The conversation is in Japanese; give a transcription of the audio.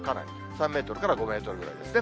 ３メートルから５メートルぐらいですね。